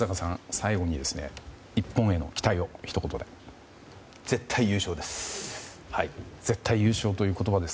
最後に日本への期待を絶対優勝です。